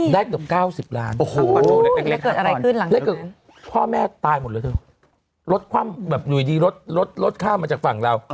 เกือบ๙๐ล้านโอ้โหเล็กเกิดอะไรขึ้นหลังจากพ่อแม่ตายหมดเลยเถอะรถคว่ำแบบอยู่ดีรถรถข้ามมาจากฝั่งเรา